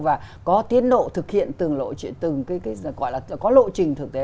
và có tiến độ thực hiện từng lộ chuyện từng cái gọi là có lộ trình thực tế